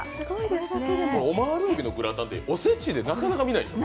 オマール海老のグラタンってお節でなかなか見ないでしょう。